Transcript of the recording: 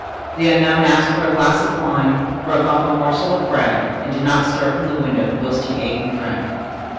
The unknown asked for a glass of wine, broke off a morsel of bread, and did not stir from the window whilst he ate and drank.